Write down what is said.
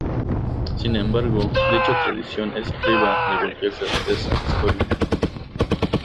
Sin embargo, dicha tradición es priva de cualquier certeza histórica.